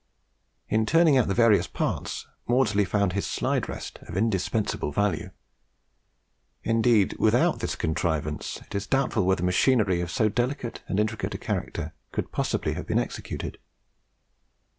In turning out the various parts, Maudslay found his slide rest of indispensable value. Indeed, without this contrivance, it is doubtful whether machinery of so delicate and intricate a character could possibly have been executed.